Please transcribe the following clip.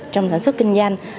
trong sản xuất kinh doanh